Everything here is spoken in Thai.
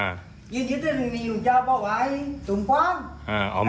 อ่าธรรมความ